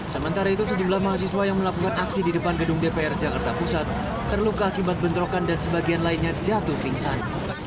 sementara itu sejumlah mahasiswa yang melakukan aksi di depan gedung dpr jakarta pusat terluka akibat bentrokan dan sebagian lainnya jatuh pingsan